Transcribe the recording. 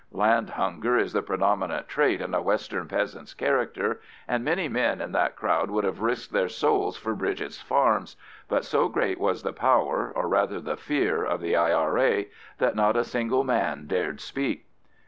Land hunger is the predominant trait in a western peasant's character, and many men in that crowd would have risked their souls for Bridget's farms; but so great was the power, or rather the fear of the I.R.A., that not a single man dared speak.